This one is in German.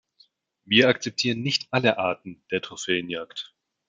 Wir akzeptieren nicht alle Arten der Trophäenjagd.